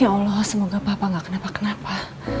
ya allah semoga papa gak kenapa kenapa